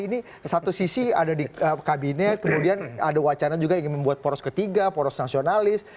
ini satu sisi ada di kabinet kemudian ada wacana juga ingin membuat poros ketiga poros nasionalis